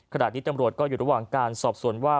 ขณะนี้ตำรวจก็อยู่ระหว่างการสอบสวนว่า